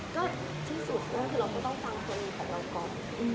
ก็ที่สุดเราก็ต้องฟังตัวนี้กับเราก่อน